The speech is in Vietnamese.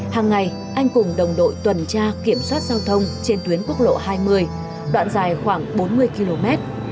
hàng ngày anh cùng đồng đội tuần tra kiểm soát giao thông trên tuyến quốc lộ hai mươi đoạn dài khoảng bốn mươi km